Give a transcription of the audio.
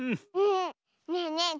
ねえねえ